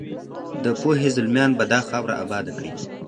د پوهې زلمیان به دا خاوره اباده کړي.